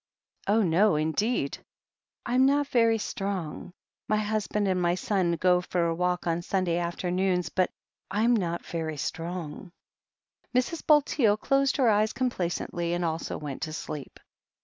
"Oh, no, indeed." "I'm not very strong. My husband and my son go for a walk on Sunday afternoons, but Fm not very strong." Mrs. Bulteel closed her eyes complacently, and also went to sleep.